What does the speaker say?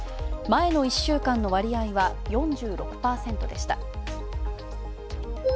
前の１週間の割合は４６％でした。